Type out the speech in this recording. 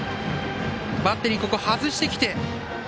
バッテリー、ここ外してきて。